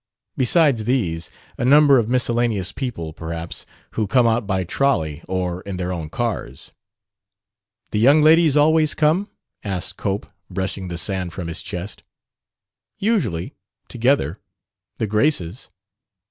Besides these, a number of miscellaneous people, perhaps, who come out by trolley or in their own cars." "The young ladies always come?" asked Cope, brushing the sand from his chest. "Usually. Together. The Graces.